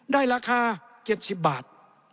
ได้ราคา๗๐บาท